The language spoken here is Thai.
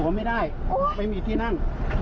พระวัน